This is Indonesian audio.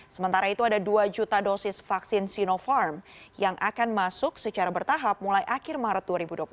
sementara itu ada dua juta dosis vaksin sinopharm yang akan masuk secara bertahap mulai akhir maret dua ribu dua puluh satu